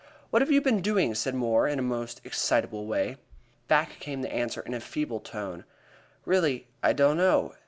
"What have you been doing?" said Moore, in a most excitable way. Back came the answer in a feeble tone: "Really, I don't know.